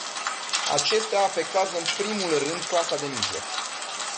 Acestea afectează în primul rând clasa de mijloc.